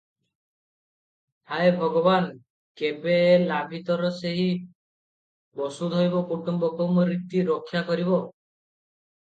ହାୟ ଭଗବାନ, କେବେ ଏ ଲାଭିତର ସେହି 'ବସୁ ଧୈବ କୁଟୁମ୍ବକଂ' ରୀତି ରକ୍ଷା କରିବ?